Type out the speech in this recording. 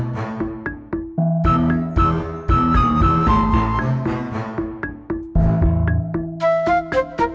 kalau diakui dan damitasi